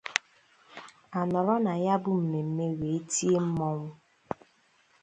A nọrọ na ya bụ mmemme wee tie mmọnwụ